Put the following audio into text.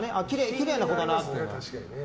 きれいな子だなって。